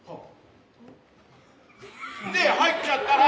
で入っちゃったら。